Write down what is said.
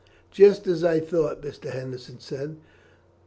"Just as I thought," Mr. Henderson said.